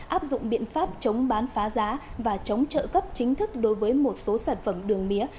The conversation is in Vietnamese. áp dụng biện pháp chống bán phá giá và chống trợ cấp chính thức đối với một số sản phẩm đường mía